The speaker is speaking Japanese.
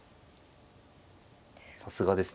さすがですね。